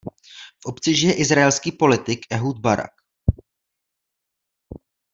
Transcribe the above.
V obci žije izraelský politik Ehud Barak.